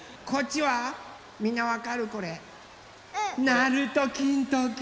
なるときんとき。